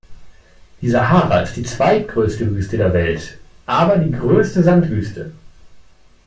Die Sahara ist die zweitgrößte Wüste der Welt, aber die größte Sandwüste.